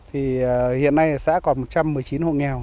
thì hiện nay xã còn một trăm một mươi chín hộ nghèo